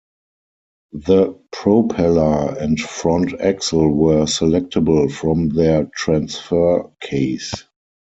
The propeller and front axle were selectable from their transfer case.